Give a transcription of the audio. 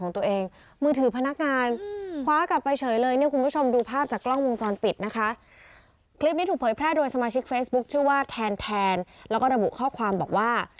แทนแล้วก็ระบุข้อความบอกว่า